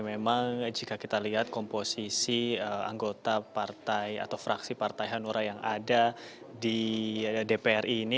memang jika kita lihat komposisi anggota partai atau fraksi partai hanura yang ada di dpr ini